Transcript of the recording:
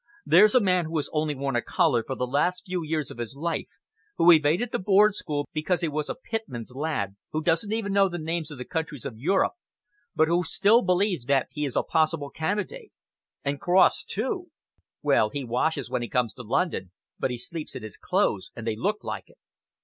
"There's a man who has only worn a collar for the last few years of his life, who evaded the board school because he was a pitman's lad, who doesn't even know the names of the countries of Europe, but who still believes that he is a possible candidate. And Cross, too! Well, he washes when he comes to London, but he sleeps in his clothes and they look like it."